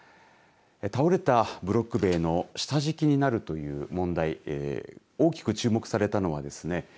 倒れたブロック塀の下敷きになるという問題大きく注目されたのはですね